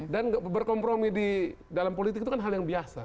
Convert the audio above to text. dan berkompromi di dalam politik itu kan hal yang biasa